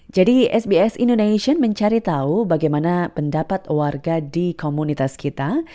jadi sbs indonesia mencari tahu bagaimana pendapat warga di komunitas kita